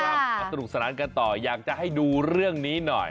มาสนุกสนานกันต่ออยากจะให้ดูเรื่องนี้หน่อย